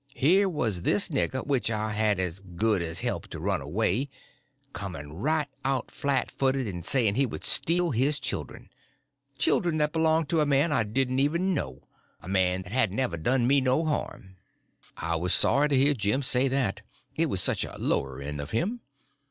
Here was this nigger, which I had as good as helped to run away, coming right out flat footed and saying he would steal his children—children that belonged to a man I didn't even know; a man that hadn't ever done me no harm. I was sorry to hear Jim say that, it was such a lowering of him.